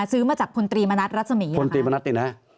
ซื้อมาจากพลตีมณัฐรัฐสมีย์พลตีมณัฐเนี้ยนะฮะค่ะ